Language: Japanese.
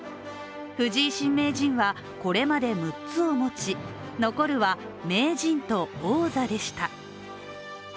藤井新名人はこれまで６つを持ち、残りは名人と王座でした。